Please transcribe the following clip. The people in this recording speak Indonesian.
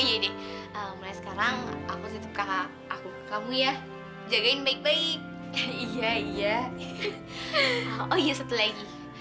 ya udah deh mulai sekarang aku tetep kakak aku kamu ya jagain baik baik iya iya oh iya setelah lagi